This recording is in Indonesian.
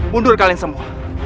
mundur kalian semua